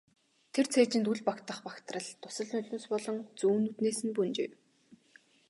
Тэр цээжинд үл багтах багтрал дусал нулимс болон зүүн нүднээс нь бөнжийв.